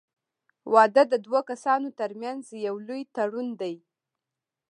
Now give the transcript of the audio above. • واده د دوه کسانو تر منځ یو لوی تړون دی.